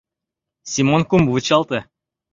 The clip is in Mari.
— Семон кум, вучалте!